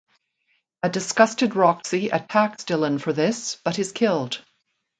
A disgusted Roxy attacks Dillon for this but is killed.